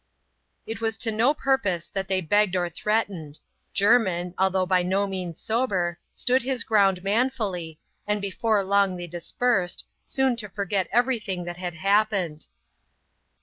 It was to no purpose that they begged or threatened : Jermin, although by no means sober, stood his ground manfully, and before long they dispersed, soon to forget every thing that had happened.